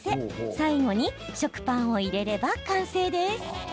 最後に食パンを入れれば完成です。